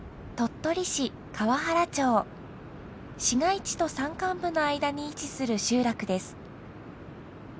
市街地と山間部の間に位置する集落です。